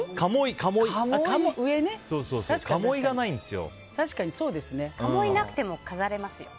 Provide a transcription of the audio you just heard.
かもいがなくても飾れますね。